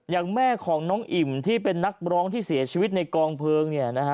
อย่างแม่ของน้องอิ่มที่เป็นนักร้องที่เสียชีวิตในกองเพลิง